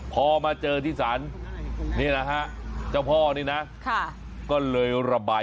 พอมาเจอที่สรร